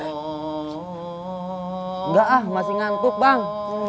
enggak ah masih ngantuk bang